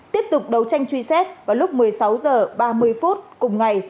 tiếp tục đấu tranh truy xét vào lúc một mươi sáu h ba mươi phút cùng ngày